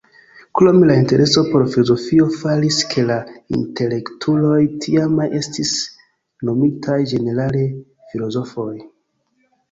Krome la intereso por filozofio faris ke la intelektuloj tiamaj estis nomitaj ĝenerale "filozofoj".